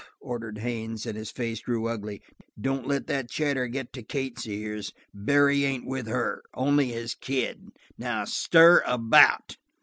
ordered Haines, and his face grew ugly. "Don't let that chatter get to Kate's ears. Barry ain't with her. Only his kid. Now stir about."